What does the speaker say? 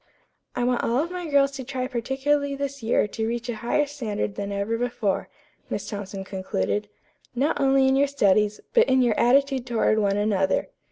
"I want all my girls to try particularly this year to reach a higher standard than ever before," Miss Thompson concluded, "not only in your studies, but in your attitude toward one another.